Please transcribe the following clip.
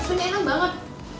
ini enak banget